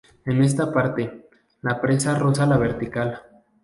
En esta parte, la presa roza la vertical.